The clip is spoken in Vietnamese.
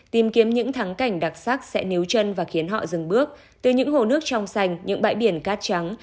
tìm kiếm những thắng cảnh đặc sắc sẽ níu chân và khiến họ dừng bước từ những hồ nước trong xanh những bãi biển cát trắng